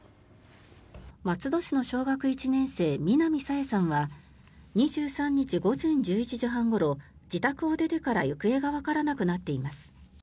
松戸市の小学１年生南朝芽さんは２３日午前１１時半ごろ自宅を出てから行方がわからなくなっています。